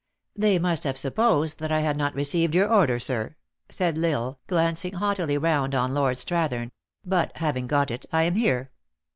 " They must have supposed that I had not received your order, sir," said L Isle, glancing haughtily round on Lord Strathern ;" but, having got it, I am here."